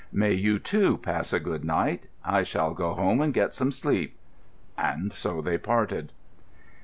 May you, too, pass a good night. I shall go home and get some sleep." And so they parted.